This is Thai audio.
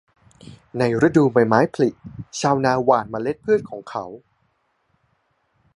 ในฤดูใบไม้ผลิ ชาวนาหว่านเมล็ดพืชของเขา